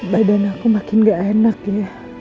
badan aku makin gak enak ya